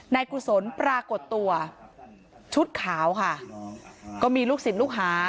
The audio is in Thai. กุศลปรากฏตัวชุดขาวค่ะก็มีลูกศิษย์ลูกหา